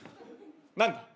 何だ？